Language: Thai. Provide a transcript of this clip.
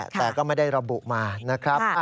แต่ก็ไม่ได้ระบุมานะครับ